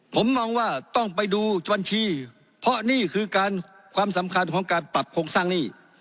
ผมมองว่าต้องไปดูบัญชีเพราะนี่คือการความสำคัญของการปรับโครงสร้างหนี้